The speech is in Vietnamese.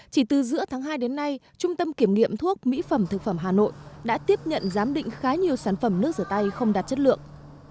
chỉ từ giữa tháng hai đến nay trung tâm kiểm nghiệm thuốc mỹ phẩm thực phẩm hà nội đã tiếp nhận giám định khá nhiều sản phẩm nước rửa tay không đạt chất lượng